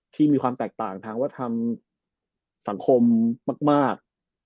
ที่มีความแตกต่างทางว่าทำสังคมมาก